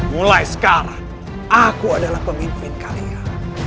mulai sekarang aku adalah pemimpin kalian